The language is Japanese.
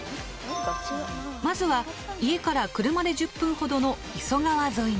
まずは家から車で１０分ほどの磯川沿いに。